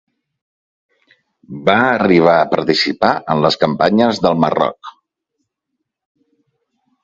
Va arribar a participar en les campanyes del Marroc.